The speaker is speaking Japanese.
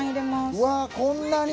うわこんなに？